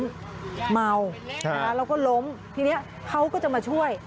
คือเมาแล้วก็ล้มทีนี้เขาก็จะมาช่วย